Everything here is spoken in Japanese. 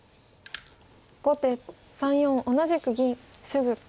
後手３四同じく銀直。